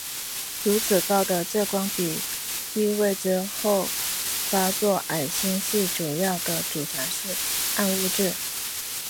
如此高的质光比意味着后发座矮星系主要的组成是暗物质。